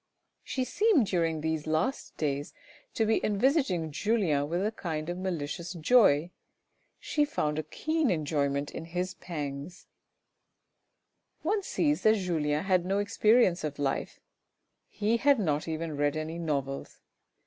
She seemed during these last days to be envisaging Julien with a kind of malicious joy. She found a keen enjoyment in his pangs. 360 THE RED AND THE BLACK One sees that Julien had no experience of life ; he had not even read any novels.